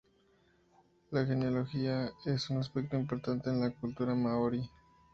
La genealogía es un aspecto importante en la cultura maorí.